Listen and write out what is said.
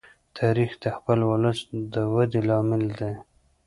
تاریخ د خپل ولس د ودې لامل دی.